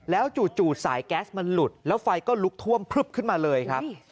แล้วจู่สายแก๊สมันหลุดแล้วไฟก็ลุกท่วมพลึบขึ้นมาเลยครับ